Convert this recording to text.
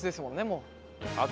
もう。